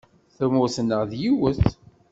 Tamurt-nneɣ d yiwet!